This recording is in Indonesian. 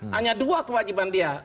hanya dua kewajiban dia